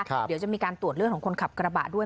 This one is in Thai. เดี๋ยวจะมีการตรวจเลือดของคนขับกระบะด้วย